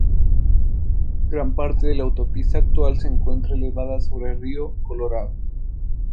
Gran parte de la autopista actual se encuentra elevada sobre el río Colorado.